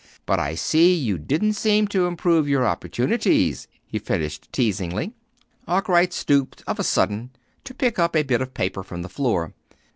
But I see you didn't seem to improve your opportunities," he finished teasingly. Arkwright stooped, of a sudden, to pick up a bit of paper from the floor.